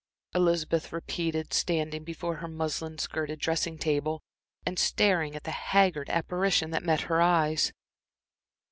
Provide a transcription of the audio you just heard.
Elizabeth repeated, standing before her muslin skirted dressing table, and staring at the haggard apparition that met her eyes.